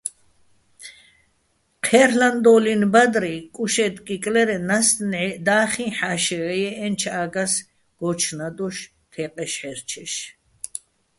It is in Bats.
ჴერლ'ანდო́ლინო̆ ბადრი კუშე́ტკკიკლირეჼ ნასტ ნჺაიჸ და́ხიჼ ჰ̦ა́შეღ ჲე́ჸენჩო̆ ა́გას გოჩნადოშ, თეყეშ-ჰე́რჩეშ.